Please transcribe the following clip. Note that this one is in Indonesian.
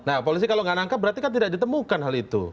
nah polisi kalau nggak nangkap berarti kan tidak ditemukan hal itu